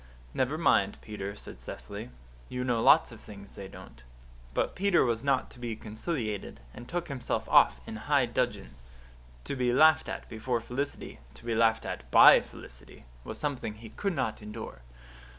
"Never mind, Peter," said Cecily. "You know lots of things they don't." But Peter was not to be conciliated, and took himself off in high dudgeon. To be laughed at before Felicity to be laughed at BY Felicity was something he could not endure.